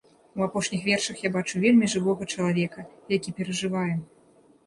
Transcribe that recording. У апошніх вершах я бачу вельмі жывога чалавека, які перажывае.